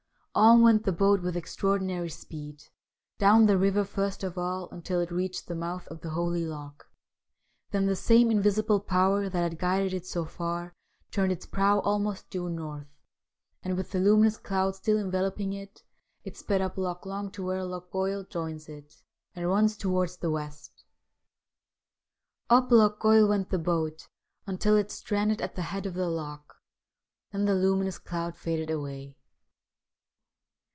On went the boat with extraordinary speed : down the river first of all until it reached the mouth of the Holy Loch ; then the same invisible power that had guided it so far turned its prow almost due north, and, with the luminous cloud still enveloping it, it sped up Loch Long to where Loch Goil joins it and runs towards the west. Up Loch Goil went the boat until it stranded at the head of the loch ; then the luminous cloud faded away.